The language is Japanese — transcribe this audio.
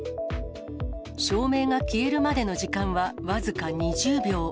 照明が消えるまでの時間は僅か２０秒。